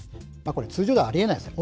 これ、通常ではありえないですね。